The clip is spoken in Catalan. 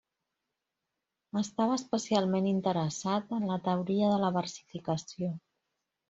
Estava especialment interessat en la teoria de la versificació.